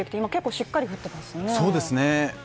しっかり降っています。